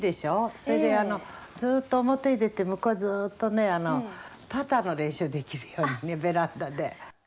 それで、ずーっと表に出て、向こうずっとね、パターの練習できるようにね、ベランダで。